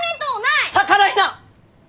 逆らいな！